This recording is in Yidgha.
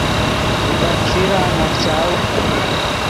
ڤے خیݰیرا نخچاؤ